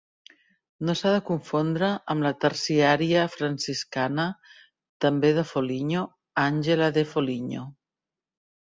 No s'ha de confondre amb la terciària franciscana, també de Foligno, Àngela de Foligno.